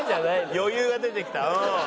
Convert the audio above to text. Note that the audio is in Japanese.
余裕が出てきたうん。